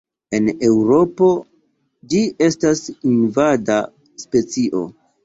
En Eŭropo ĝi estas invada specio.